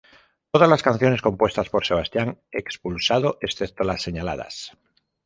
Todas las canciones compuestas por Sebastián Expulsado, excepto las señaladas.